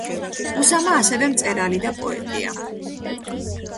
კუსამა ასევე მწერალი და პოეტია.